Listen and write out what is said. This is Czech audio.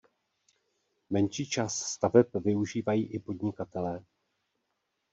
Menší část staveb využívají i podnikatelé.